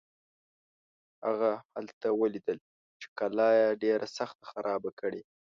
هغه هلته ولیدل چې قلا یې ډېره سخته خرابه کړې.